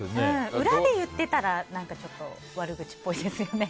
裏で言ってたら何かちょっと悪口っぽいですよね。